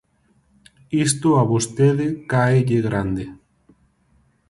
Isto a vostede cáelle grande.